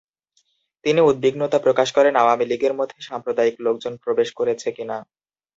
তিনি উদ্বিগ্নতা প্রকাশ করেন আওয়ামী লীগের মধ্যে সাম্প্রদায়িক লোকজন প্রবেশ করেছে কিনা।